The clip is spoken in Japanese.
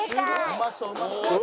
「うまそううまそう」